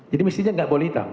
jadi mestinya tidak boleh hitam